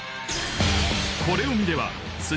これを見れば何？